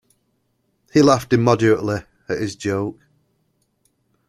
He laughed immoderately at his joke.